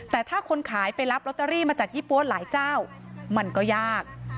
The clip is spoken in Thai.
แต่ถ้าคนขายไปรับลอตเตอรี่มาจากยี่ปั๊วหลายเจ้ามันก็ยาก